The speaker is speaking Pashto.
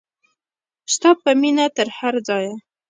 ستا په مینه تر هر ځایه.